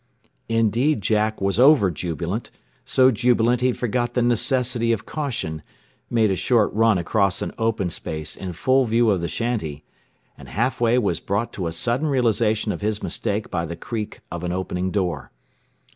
Indeed Jack was over jubilant so jubilant that he forgot the necessity of caution, made a short cut across an open space in full view of the shanty, and half way was brought to a sudden realization of his mistake by the creak of an opening door.